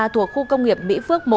thuộc khu công nghiệp mỹ phước một